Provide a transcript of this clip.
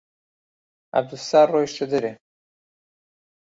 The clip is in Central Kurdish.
عەبدولستار ڕۆیشتە دەرێ.